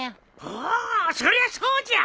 おおそりゃそうじゃ。